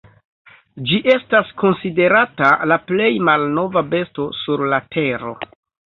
Ĝi estas konsiderata la plej malnova besto sur la Tero.